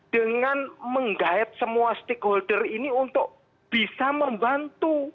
dengan menggait semua stakeholder ini untuk bisa membantu